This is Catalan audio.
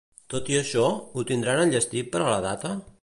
Tot i això, ho tindran enllestit per a la data?